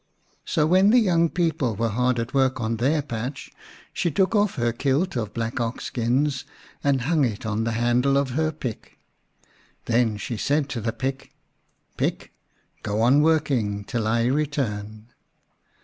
So when the young people were hard at work on their patch she took off her kilt of black ox skins and hung it on the handle of her pick. Then she said to the pick, " Pick, go on working till I return."